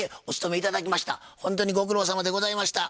ほんとにご苦労さまでございました。